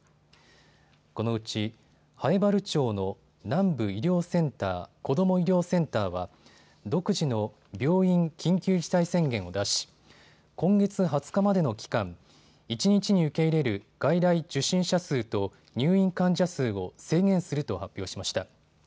このうち南風原町の南部医療センター・こども医療センターは独自の病院緊急事態宣言を出し今月２０日までの期間、一日に受け入れる外来受診者数と入院患者数を制限すると発表しました。